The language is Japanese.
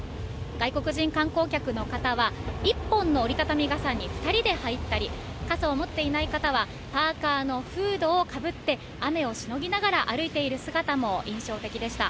外国人観光客の方は１本の折り畳み傘に２人で入ったり、傘を持っていない方は、パーカーのフードをかぶって雨をしのぎながら歩いている姿も印象的でした。